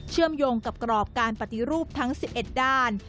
มโยงกับกรอบการปฏิรูปทั้ง๑๑ด้าน